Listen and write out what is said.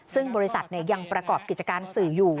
ซึ่งบริษัทยังประกอบกิจการสื่ออยู่